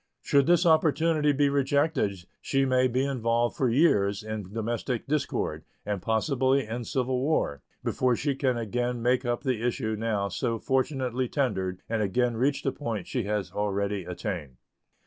Should this opportunity be rejected she may be involved for years in domestic discord, and possibly in civil war, before she can again make up the issue now so fortunately tendered and again reach the point she has already attained.